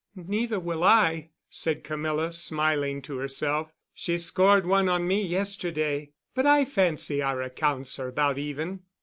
"Neither will I," said Camilla, smiling to herself. "She scored one on me yesterday, but I fancy our accounts are about even."